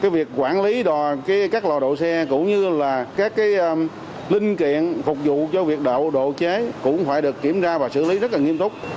việc quản lý các lò độ xe cũng như các linh kiện phục vụ cho việc độ chế cũng phải được kiểm tra và xử lý rất nghiêm túc